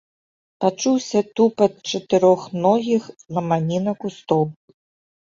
Пачуўся тупат чатырохногіх, ламаніна кустоў.